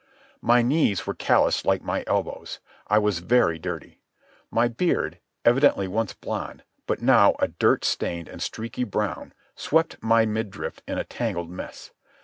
My knees were callused like my elbows. I was very dirty. My beard, evidently once blond, but now a dirt stained and streaky brown, swept my midriff in a tangled mass.